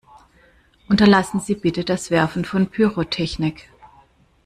Unterlassen Sie bitte das Werfen von Pyrotechnik!